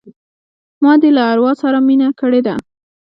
ما دي له اروا سره مینه کړې ده